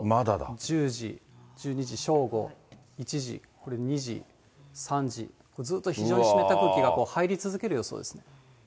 １０時、１２時正午、１時、２時、３時、ずっと非常に湿った空気が入り続ける予想です。